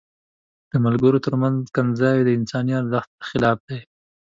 د ملګرو تر منځ کنځاوي د انساني ارزښت خلاف دي.